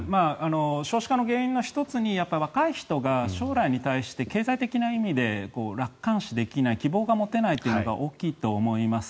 少子化の原因の１つに若い人が将来に対して経済的な意味で楽観視できない希望が持てないというのが大きいと思います。